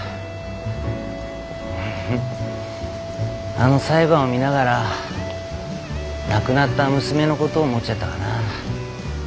あの裁判を見ながら亡くなった娘のことを思っちゃったかな。